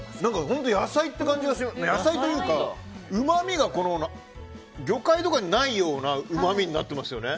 本当に野菜というかうまみが魚介とかにないようなうまみになってますよね。